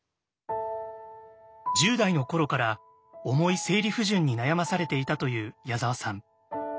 １０代の頃から重い生理不順に悩まされていたという矢沢さん。